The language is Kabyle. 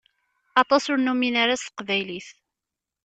Aṭas ur numin ara s teqbaylit.